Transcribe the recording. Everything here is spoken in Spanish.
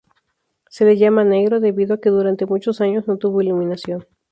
Se le llama "negro" debido a que durante muchos años no tuvo iluminación.